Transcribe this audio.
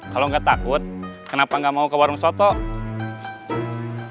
kalau nggak takut kenapa nggak mau ke warung soto